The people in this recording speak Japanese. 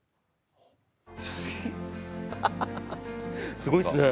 すごいですね。